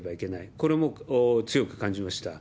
これも強く感じました。